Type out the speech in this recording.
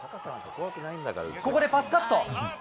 ここで、パスカット。